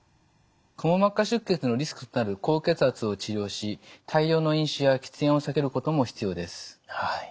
くも膜下出血のリスクとなる高血圧を治療し大量の飲酒や喫煙を避けることも必要です。